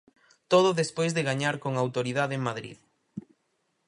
Todo despois de gañar con autoridade en Madrid.